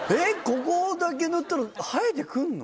ここだけ塗ったら生えて来んの？